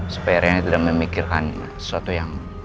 supaya riani tidak memikirkan sesuatu yang